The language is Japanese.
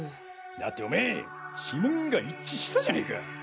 だってオメェ指紋が一致したじゃねぇか！